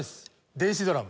電子ドラム。